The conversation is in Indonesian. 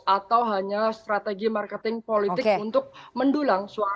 atau hanya strategi marketing politik untuk mendulang suara